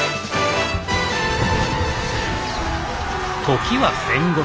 時は戦国。